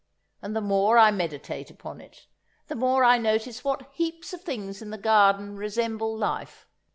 And the more I meditate upon it, the more I notice what heaps of things in the garden resemble life."